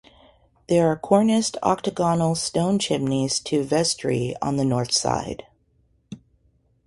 There are corniced octagonal stone chimneys to vestry on north side.